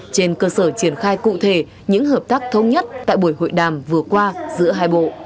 trên cơ sở triển khai cụ thể những hợp tác thông nhất tại buổi hội đàm vừa qua giữa hai bộ